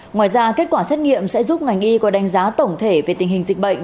ngoài ra kết quả xét nghiệm sẽ giúp ngành y có đánh giá tổng thể về tình hình dịch bệnh